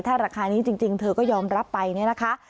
ถ้าราคานี้จริงเธอก็ยอมรับไปเนี่ยนะคะ